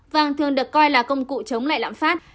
vâng thường được coi là công cụ chống lại lạm phát